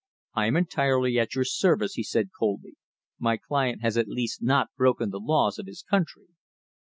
"I am entirely at your service," he said coldly. "My client has at least not broken the laws of his country."